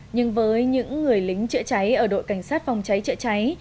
nhưng với những người lính chữa cháy ở đội cảnh sát phòng cháy chữa cháy